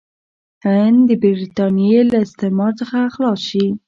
هند د برټانیې له استعمار څخه خلاص شي.